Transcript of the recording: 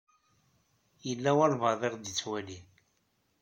Yella walebɛaḍ i ɣ-d-ittwalin.